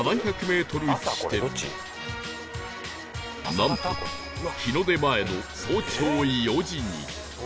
なんと日の出前の早朝４時に